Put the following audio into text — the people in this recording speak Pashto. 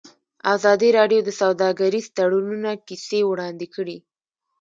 ازادي راډیو د سوداګریز تړونونه کیسې وړاندې کړي.